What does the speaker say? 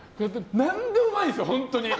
何でもうまいんですよ、本当に。